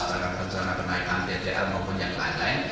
terhadap pencana kenaikan tdr maupun yang lain lain